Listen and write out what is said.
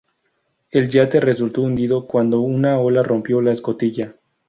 El yate resultó hundido cuando una ola rompió la escotilla.